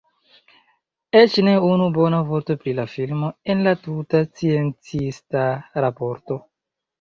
Eĉ ne unu bona vorto pri la filmo en la tuta sciencista raporto.